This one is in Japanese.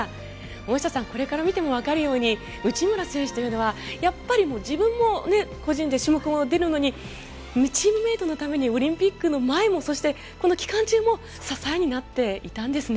大下さん、これから見てもわかるように内村選手というのは、やっぱり自分も個人で種目も出るのにチームメートのためにこのオリンピックの前もそして、この期間中も支えになっていたんですね。